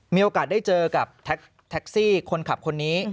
มีโอกาสได้เจอกับแท็กซี่คนขับคนนี้